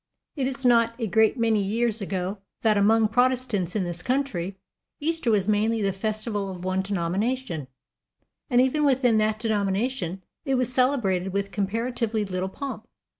It is not a great many years ago that, among Protestants in this country, Easter was mainly the festival of one denomination, and even within that denomination it was celebrated with comparatively little pomp.